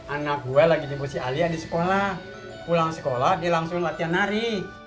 anak gue lagi di musik alia di sekolah pulang sekolah dia langsung latihan nari